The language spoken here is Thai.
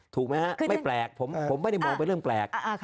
ถูกมั้ยครับไม่แปลกผมไม่ได้มองไปเรื่องแปลก